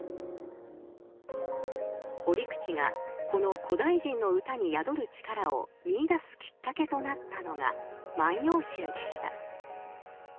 折口がこの古代人の歌に宿る力を見いだすきっかけとなったのが「万葉集」でした。